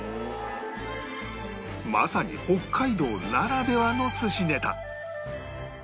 まさに北海道ならではの寿司ネタ